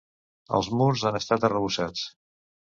Els murs han estat arrebossats.